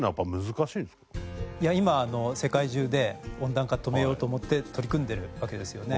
いや今世界中で温暖化止めようと思って取り組んでるわけですよね。